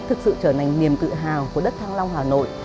thực sự trở thành niềm tự hào của đất thăng long hà nội